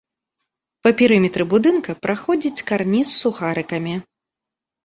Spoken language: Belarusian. Па перыметры будынка праходзіць карніз з сухарыкамі.